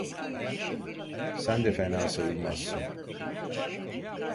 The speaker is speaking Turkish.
Sen de fena sayılmazsın.